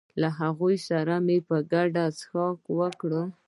له هغو سره مو په ګډه څښاک وکړ.